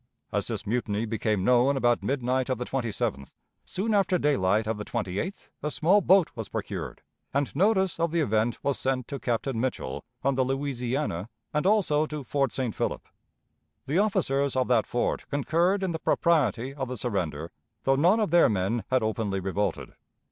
As this mutiny became known about midnight of the 27th, soon after daylight of the 28th a small boat was procured, and notice of the event was sent to Captain Mitchell, on the Louisiana, and also to Fort St. Philip. The officers of that fort concurred in the propriety of the surrender, though none of their men had openly revolted.